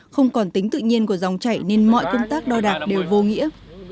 không còn tính tự nhiên của dòng chảy nên mọi công tác đo đạc đều vô nghĩa